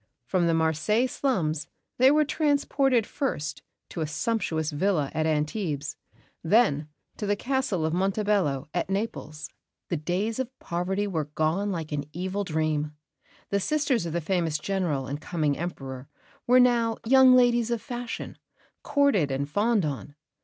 From the Marseilles slums they were transported first to a sumptuous villa at Antibes; then to the Castle of Montebello, at Naples. The days of poverty were gone like an evil dream; the sisters of the famous General and coming Emperor were now young ladies of fashion, courted and fawned on.